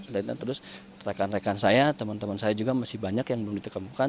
terus rekan rekan saya teman teman saya juga masih banyak yang belum ditemukan